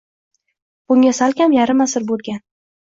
Bunga salkam yarim asr bo‘lgan.